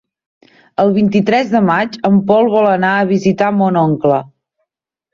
El vint-i-tres de maig en Pol vol anar a visitar mon oncle.